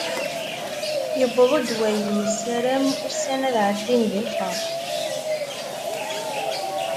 Yewweḍ-d wayen nessaram, ussan ad ɛeddin di lferḥ.